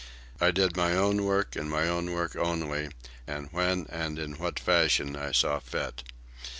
I did my own work, and my own work only, and when and in what fashion I saw fit.